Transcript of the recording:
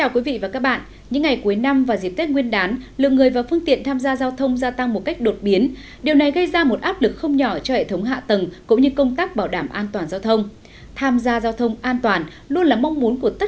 các bạn hãy đăng ký kênh để ủng hộ kênh của chúng mình nhé